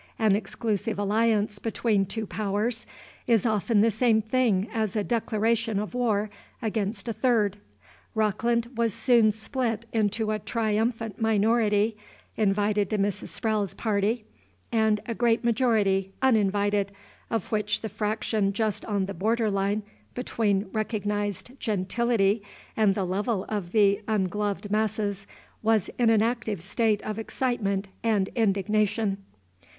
An exclusive alliance between two powers is often the same thing as a declaration of war against a third. Rockland was soon split into a triumphant minority, invited to Mrs. Sprowle's party, and a great majority, uninvited, of which the fraction just on the border line between recognized "gentility" and the level of the ungloved masses was in an active state of excitement and indignation.